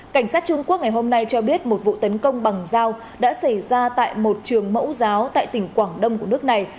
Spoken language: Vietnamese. cảnh sát trung quốc ngày hôm nay cho biết một vụ tấn công bằng dao đã xảy ra tại một trường mẫu giáo tại tỉnh quảng đông của nước này